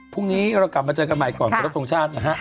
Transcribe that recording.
พรุ่งนี้เรากลับมาเจอกันใหม่ก่อนขอรับทรงชาตินะฮะ